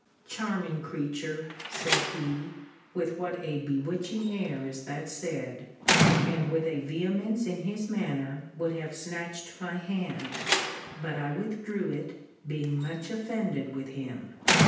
Charming creature! said he, with what a bewitching air is that said! And with a vehemence in his manner would have snatched my hand. But I withdrew it, being much offended with him.